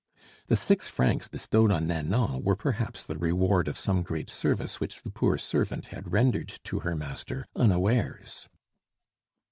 The six francs bestowed on Nanon were perhaps the reward of some great service which the poor servant had rendered to her master unawares.